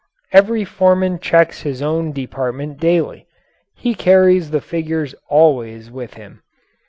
Every foreman checks his own department daily he carries the figures always with him.